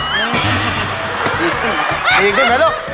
มีอีกตัวไหมลูก